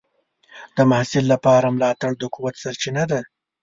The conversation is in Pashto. د محصل لپاره ملاتړ د قوت سرچینه ده.